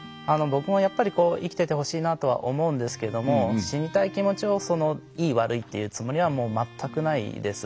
僕もやっぱり生きててほしいなとは思うんですけども死にたい気持ちをいい悪いって言うつもりはもう全くないです。